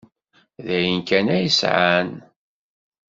D ayen kan ay sɛan.